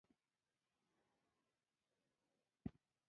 د افغانستان د اقتصادي پرمختګ لپاره پکار ده چې حبوبات وي.